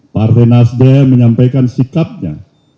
pak arde nasdeh menyampaikan sikapnya